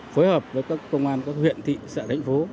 phối hợp với các công an các huyện thị xã thành phố